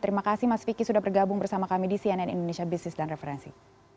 terima kasih mas vicky sudah bergabung bersama kami di cnn indonesia business dan referensi